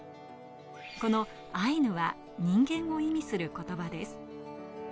このアイヌは人間を意味する言葉です。